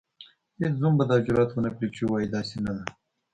هیڅ زوم به دا جرئت ونکړي چې ووايي داسې نه ده.